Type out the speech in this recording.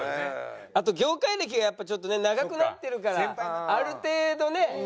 あと業界歴がやっぱちょっとね長くなってるからある程度ね